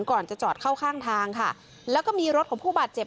ก่อนจะจอดเข้าข้างทางค่ะแล้วก็มีรถของผู้บาดเจ็บ